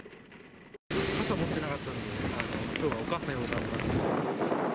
傘持ってなかったんで、きょうはお母さん呼ぼうかなと。